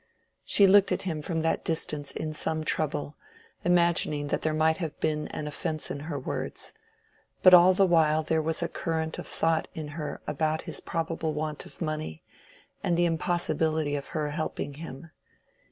She looked at him from that distance in some trouble, imagining that there might have been an offence in her words. But all the while there was a current of thought in her about his probable want of money, and the impossibility of her helping him.